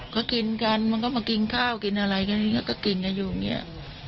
ก็กินกันมันก็มากินข้าวกินอะไรกันอย่างนี้ก็กินกันอยู่เนี่ย